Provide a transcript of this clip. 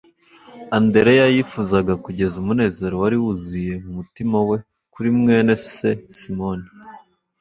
Andreya yifuzaga kugeza umunezero wari wuzuye mu mutima we kuri mwene se Simoni,